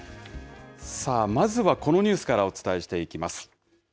まずは、このニュースからお伝えしていきます。